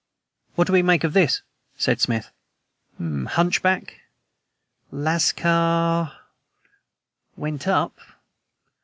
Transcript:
"What do we make of this?" said Smith. "'... Hunchback ... lascar went up